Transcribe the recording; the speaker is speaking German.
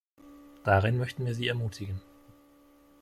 Darin möchten wir sie ermutigen.